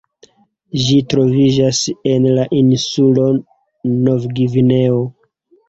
Ĝi troviĝas en la insulo Novgvineo.